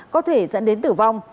có thể dẫn đến tử vong